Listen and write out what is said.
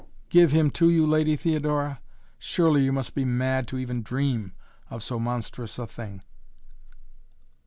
"Give him to you, Lady Theodora? Surely you must be mad to even dream of so monstrous a thing."